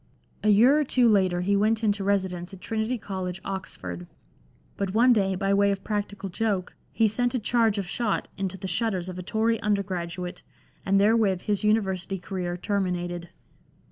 A year or two later he went into residence at Trinity College, Oxford, but one day, by way of practical joke, he sent a charge of shot into the shutters of a Tory undergraduate, and therewith his university career terminated.